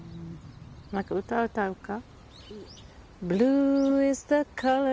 何か歌歌うか？